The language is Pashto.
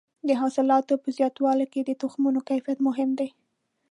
د حاصلاتو په زیاتولو کې د تخمونو کیفیت مهم دی.